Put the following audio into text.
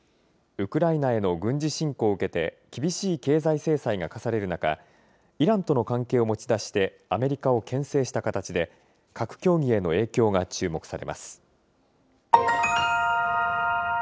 ウクライナへの軍事侵攻を受けて、厳しい経済制裁が科される中、イランとの関係を持ち出して、アメリカをけん制した形で、核協議への影響が注目されます。